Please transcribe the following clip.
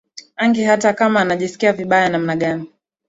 angie hata kama anajisikia vibaya namna gani